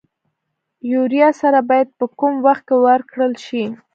یوریا سره باید په کوم وخت کې ورکړل شي؟